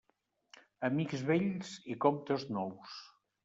Amics vells i comptes nous.